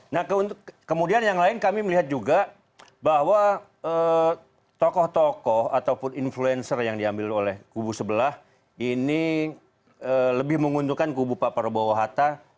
nah kemudian yang lain kami melihat juga bahwa tokoh tokoh ataupun influencer yang diambil oleh kubu sebelah ini lebih menguntungkan kubu pak prabowo hatta